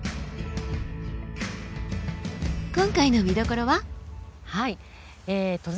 今回の見どころは？